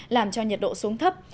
làm cho nhiệt độ xuống thấp